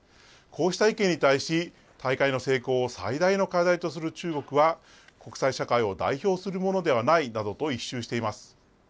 こうした意見に対し、大会の成功を最大の課題とする中国は、国際社会を代表するものではないなどと一蹴しています。